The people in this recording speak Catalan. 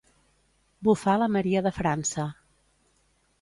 Bufar la Maria de França.